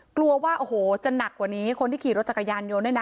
กลัวว่าโอ้โหจะหนักกว่านี้คนที่ขี่รถจักรยานยนต์ด้วยนะ